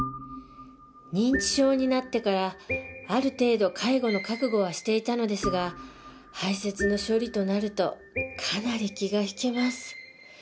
認知症になってからある程度介護の覚悟はしていたのですが排泄の処理となるとかなり気が引けます。